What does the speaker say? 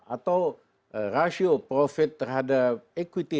atau rasio profit terhadap equity